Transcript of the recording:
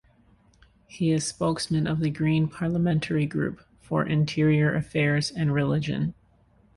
He is spokesman of the Green Parliamentary Group for interior affairs and religion.